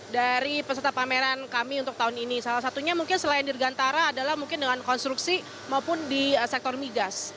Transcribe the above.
dari peserta pameran kami untuk tahun ini salah satunya mungkin selain dirgantara adalah mungkin dengan konstruksi maupun di sektor migas